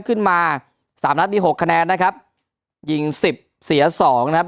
ขึ้นมาสามนัดมีหกคะแนนนะครับยิงสิบเสียสองนะครับ